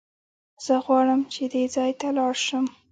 زه غواړم چې دې ځای ته لاړ شم.